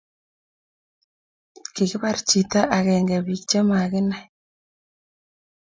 Kikipar chiton ageng pik che makinai